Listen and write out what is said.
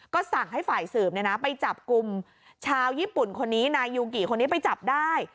ก็สั่งให้ฝ่ายสืบไปจับกลุ่มชาวญี่ปุ่นคนนี้นายยูกิคนนี้ไปจับได้